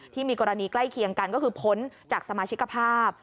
ที่มีกรณีใกล้เคียงกันก็คือพ้นจากสมาชิกภาพ